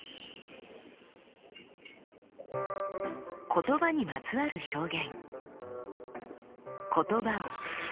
言葉にまつわる表現。